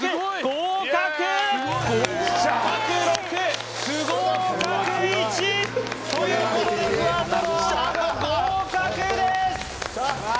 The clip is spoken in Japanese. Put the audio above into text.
合格６不合格１ということでふわとろあなご合格です！